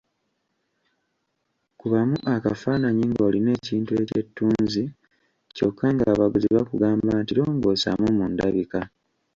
Kubamu akafaananyi ng’olina ekintu eky’ettunzi kyokka ng’abaguzi bakugamba nti longoosaamu mu ndabika.